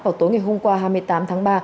vào tối ngày hôm qua hai mươi tám tháng ba